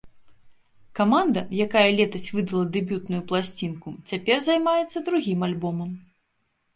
Каманда, якая летась выдала дэбютную пласцінку, цяпер займаецца другім альбомам.